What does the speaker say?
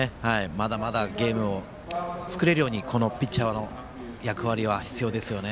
まだまだゲームを作れるようにこのピッチャーの役割は必要ですよね。